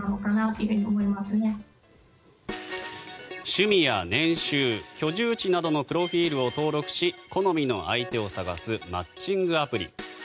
趣味や年収、居住地などのプロフィルを登録し好みの相手を探すマッチングアプリ。